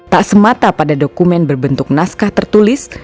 tak semata pada dokumen berbentuk naskah tertulis